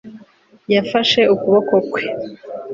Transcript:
yafashe ukuboko kwe